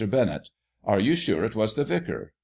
Benett : Are you sure it was the vicar?